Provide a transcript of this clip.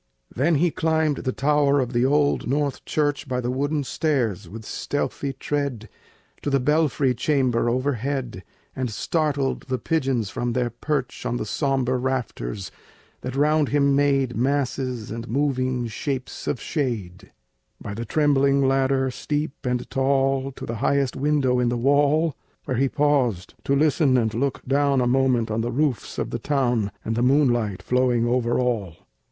Then he climbed to the tower of the church, Up the wooden stairs, with stealthy tread, To the belfry chamber overhead, And startled the pigeons from their perch On the sombre rafters, that round him made Masses and moving shapes of shade, Up the trembling ladder, steep and tall, To the highest window in the wall, Where he paused to listen and look down A moment on the roofs of the town, And the moonlight flowing over all.